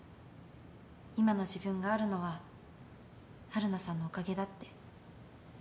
今の自分があるのは春菜さんのおかげだって。